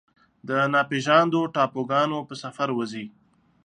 د ناپیژاندو ټاپوګانو په سفر وځي